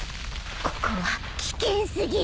ここは危険すぎる。